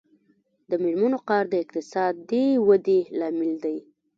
د میرمنو کار د اقتصادي ودې لامل دی.